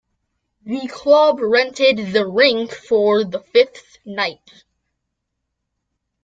The club rented the rink for the fifth night.